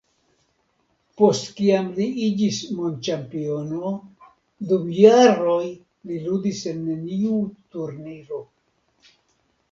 Post kiam li iĝis mondĉampiono, dum jaroj li ludis en neniu turniro.